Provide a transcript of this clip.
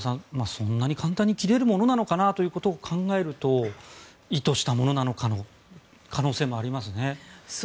そんなに簡単に切れることなのかなということを考えると意図したものという可能性もありますね。